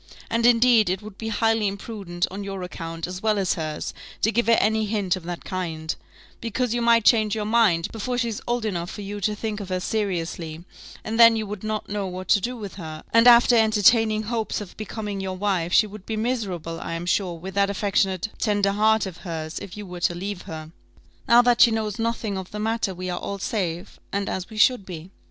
And indeed it would be highly imprudent, on your account, as well as hers, to give her any hint of that kind: because you might change your mind, before she's old enough for you to think of her seriously, and then you would not know what to do with her; and after entertaining hopes of becoming your wife, she would be miserable, I am sure, with that affectionate tender heart of hers, if you were to leave her. Now that she knows nothing of the matter, we are all safe, and as we should be."